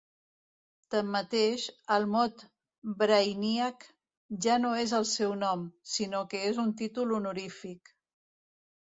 Tanmateix, el mot "Brainiac" ja no és el seu nom, sinó que és un títol honorífic.